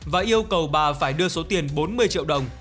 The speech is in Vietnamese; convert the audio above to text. và yêu cầu bà phải đưa số tiền bốn mươi triệu đồng